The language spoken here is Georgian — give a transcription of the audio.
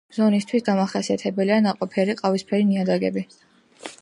ზონისთვის დამახასიათებელია ნაყოფიერი ყავისფერი ნიადაგები.